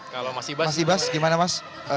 kalau mas ibas ibas gimana mas